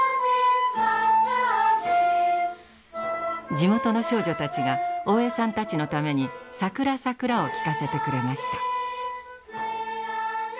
地元の少女たちが大江さんたちのために「さくらさくら」を聴かせてくれました。